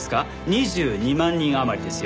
２２万人余りですよ。